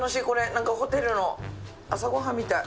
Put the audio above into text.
なんかホテルの朝ご飯みたい。